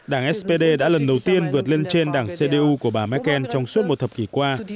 đảng spd đã lần đầu tiên vượt lên trên đảng cdu của bà merkel trong suốt một thập kỷ qua